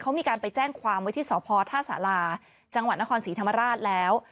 เขามีการไปแจ้งความไว้ที่สพท่าสาราจังหวัดนครศรีธรรมราชแล้ว